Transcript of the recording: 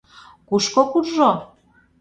— Кушко куржо?